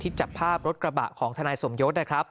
ที่จับภาพรถกระบะของทนายสมยศ